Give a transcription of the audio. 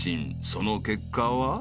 ［その結果は？］